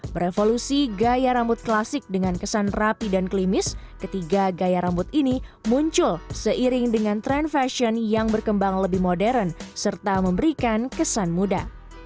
berevolusi gaya rambut klasik dengan kesan rapi dan klimis ketiga gaya rambut ini muncul seiring dengan tren fashion yang berkembang lebih modern serta memberikan kesan muda